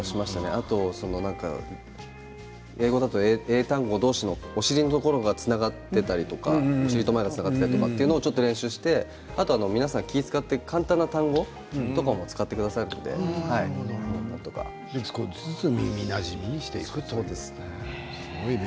あと英語だったら英単語どうしのお尻のところがつながっていたりとかそういうのを練習してあとは皆さん気を遣って簡単な単語を使ってくださるのでなんとか。少しずつ耳なじみにしていくということですね。